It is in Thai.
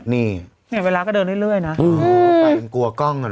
เนี้ยเวลาก็เดินเรื่อยเรื่อยนะ